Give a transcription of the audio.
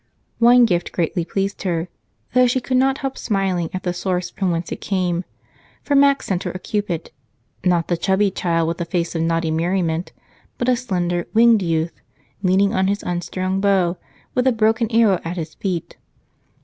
One gift greatly pleased her, though she could not help smiling at the source from whence it came, for Mac sent her a Cupid not the chubby child with a face of naughty merriment, but a slender, winged youth leaning on his unstrung bow, with a broken arrow at his feet.